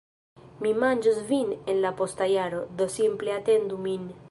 Mi manĝos vin en la posta jaro, do simple atendu min.